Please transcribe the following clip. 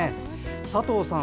佐藤さん